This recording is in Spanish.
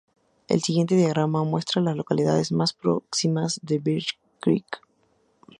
El siguiente diagrama muestra a las localidades más próximas a Birch Creek.